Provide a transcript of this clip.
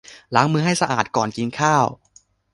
ล้างมือให้สะอาดก่อนกินข้าว